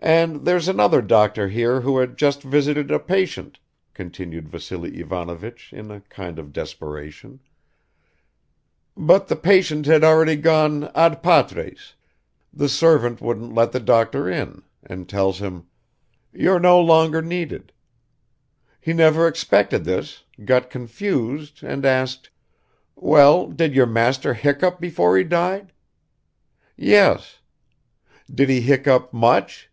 "And there's another doctor here who had just visited a patient," continued Vassily Ivanovich in a kind of desperation, "but the patient had already gone ad patres; the servant wouldn't let the doctor in, and tells him: 'You're no longer needed.' He never expected this, got confused and asked: 'Well, did your master hiccup before he died?' 'Yes.' 'Did he hiccup much?'